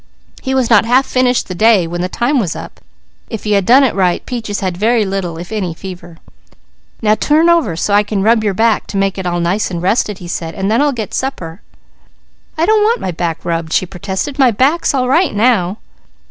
He had not half finished the day when the time was up. If he had done it right, Peaches had very little, if any, fever. "Now turn over so I can rub your back to make it all nice and rested," he said. "And then I'll get supper." "I don't want my back rubbed," she protested. "My back's all right now."